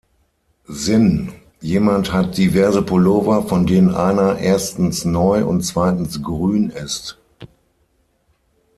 Sinn: Jemand hat diverse Pullover, von denen einer erstens neu und zweitens grün ist.